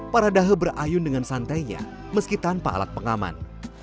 para dahe berayun dengan santainya meski tanpa alat pengaman